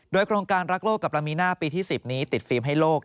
โดยโครงการรักโลกกับลามีน่าปีที่๑๐นี้ติดฟิล์มให้โลก